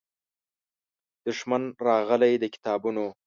دښمن راغلی د کتابونو